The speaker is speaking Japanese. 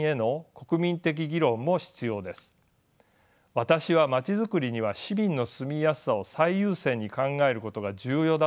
私は街づくりには市民の住みやすさを最優先に考えることが重要だと思っています。